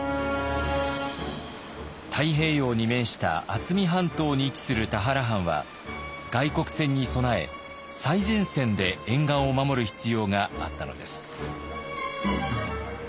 太平洋に面した渥美半島に位置する田原藩は外国船に備え最前線で沿岸を守る必要があったのです。